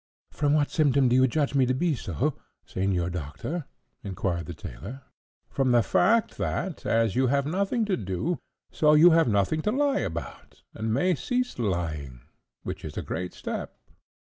"From what symptom do you judge me to be so, Señor Doctor?" inquired the tailor. "From the fact that, as you have nothing to do, so you have nothing to lie about, and may cease lying, which is a great step."